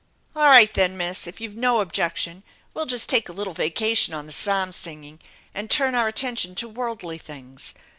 All right then, Miss, if you've no objection, we'll just take a little vacation on the psalm singin' and turn our attention to worldly things.